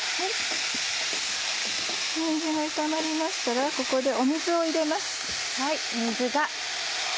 にんじんが炒まりましたらここで水を入れます。